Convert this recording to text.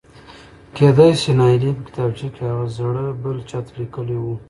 کېدای شي نايلې په کتابچه کې هغه زړه بل چاته لیکلی و.؟؟